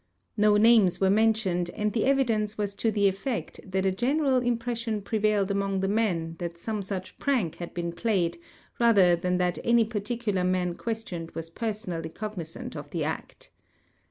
No names were mentioned and the evidence was to the effect that a general im I)re.ssion prevailed among the men that some such })rank had been played rather than that any particular man questioned was personally cognizant of the act.